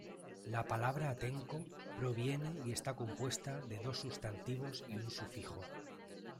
La palabra Atenco, proviene y está compuesta de dos sustantivos y un sufijo.